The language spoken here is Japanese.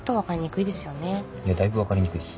いやだいぶ分かりにくいっす。